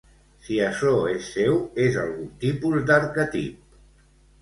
Si açò és seu, és algun tipus d'arquetip.